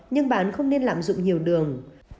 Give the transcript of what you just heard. nhưng bạn không nên lạm dụng nhiều đường